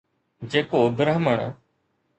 جيڪو برهمڻ